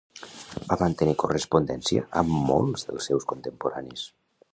Va mantenir correspondència amb molts dels seus contemporanis.